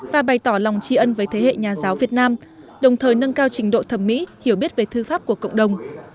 và bày tỏ lòng tri ân với thế hệ nhà giáo việt nam đồng thời nâng cao trình độ thẩm mỹ hiểu biết về thư pháp của cộng đồng